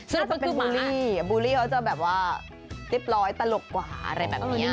ซึ่งจะเป็นบูลลี่บูลลี่เขาจะแบบว่าเรียบร้อยตลกกว่าอะไรแบบนี้